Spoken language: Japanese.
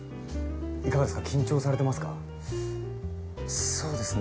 いかがですか緊張されてますか？